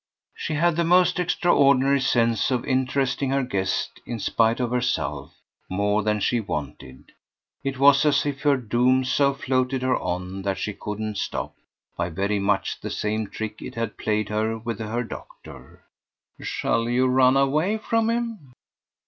She had the most extraordinary sense of interesting her guest, in spite of herself, more than she wanted; it was as if her doom so floated her on that she couldn't stop by very much the same trick it had played her with her doctor. "Shall you run away from him?"